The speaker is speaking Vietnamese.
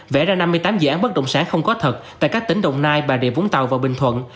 vẽ ra năm mươi tám dự án bất động sản không có thật tại các tỉnh đồng nai bà rịa vũng tàu và bình thuận